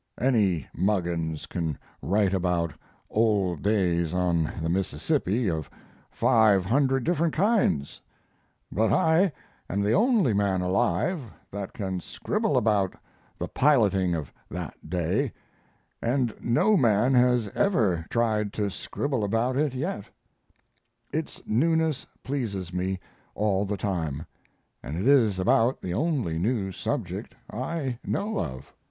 Any Muggins can write about old days on the Mississippi of five hundred different kinds, but I am the only man alive that can scribble about the piloting of that day, and no man has ever tried to scribble about it yet. Its newness pleases me all the time, and it is about the only new subject I know of.